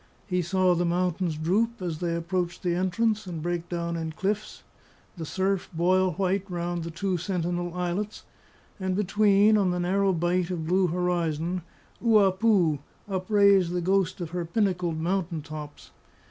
He saw the mountains droop, as they approached the entrance, and break down in cliffs; the surf boil white round the two sentinel islets; and between, on the narrow bight of blue horizon, Ua pu upraise the ghost of her pinnacled mountain tops.